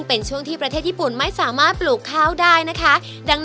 อ๋อเป็นการประคองให้มันไม่ดิน